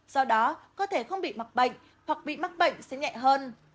do đó cơ thể không bị mắc bệnh hoặc bị mắc bệnh sẽ nhẹ hơn